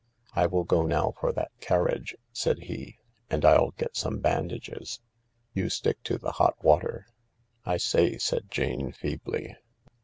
" I will go now for that carriage," said he. " And I'll get some bandages. You stick to the hot water." " I say," said Jane feebly.